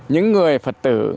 những người phật tử